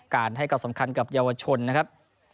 การให้กับสำคัญกับยาวชนนะครับ